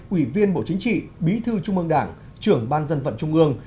ủy viên bộ chính trị bí thư trung ương đảng trưởng ban dân vận trung ương